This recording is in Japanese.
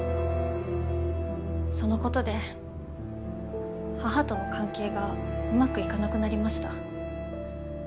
そのことで母との関係がうまくいかなくなりました。